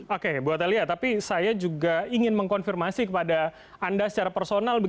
oke bu atalia tapi saya juga ingin mengkonfirmasi kepada anda secara personal